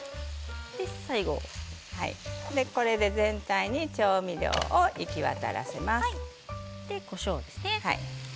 これで全体に調味料をいき渡らせます。